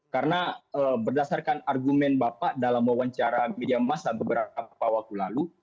karena berdasarkan argumen bapak dalam wawancara media masa beberapa waktu lalu